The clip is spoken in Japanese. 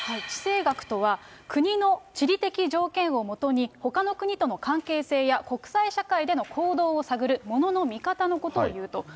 地政学とは、国の地理的条件をもとに、ほかの国との関係性や国際社会での行動を探るものの見方のことをいうと。